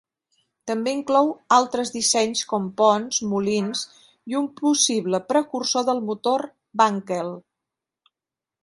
També inclou altres dissenys com ponts, molins i un possible precursor del motor Wankel.